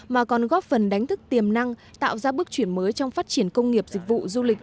mà còn góp phần đánh thức tiềm năng tạo ra bước chuyển mới trong phát triển công nghiệp dịch vụ du lịch